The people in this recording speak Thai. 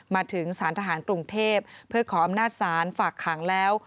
มาถึงสารทหารกรุงเทพเพื่อขออำนาจศาลฝากขังแล้ว